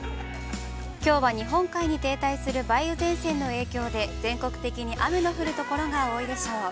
きょうは日本海に停滞する梅雨前線の影響で、全国的に雨の降るところが多いでしょう。